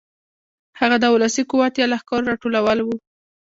هغه د ولسي قوت یا لښکرو راټولول و.